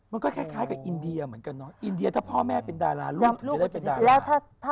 มันก็คล้ายกับอินเดียเหมือนกันเนาะอินเดียถ้าพ่อแม่เป็นดาราลูกถึงจะได้เป็นดารา